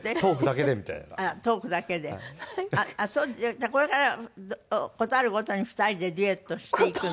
じゃあこれから事あるごとに２人でデュエットしていくの？